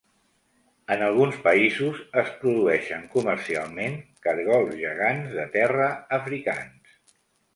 En alguns països, es produeixen comercialment cargols gegants de terra africans.